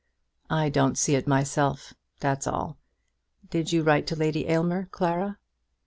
"I don't see it myself; that's all. Did you write to Lady Aylmer, Clara?"